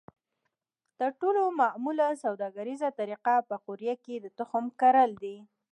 تر ټولو معموله سوداګریزه طریقه په قوریه کې د تخم کرل دي.